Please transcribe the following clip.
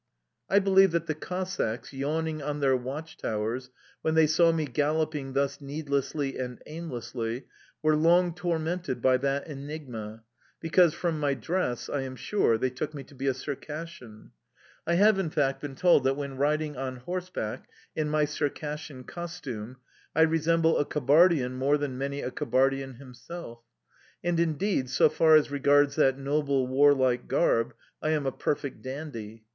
I believe that the Cossacks, yawning on their watch towers, when they saw me galloping thus needlessly and aimlessly, were long tormented by that enigma, because from my dress, I am sure, they took me to be a Circassian. I have, in fact, been told that when riding on horseback, in my Circassian costume, I resemble a Kabardian more than many a Kabardian himself. And, indeed, so far as regards that noble, warlike garb, I am a perfect dandy.